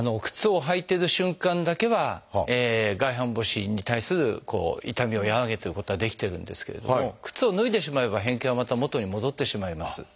靴を履いてる瞬間だけは外反母趾に対する痛みを和らげてることはできてるんですけれども靴を脱いでしまえば変形はまた元に戻ってしまいます。